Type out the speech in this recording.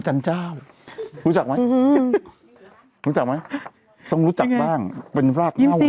จันทร์เจ้ารู้จักไหมรู้จักไหมต้องรู้จักบ้างเป็นราบเง่ายิ้มสิ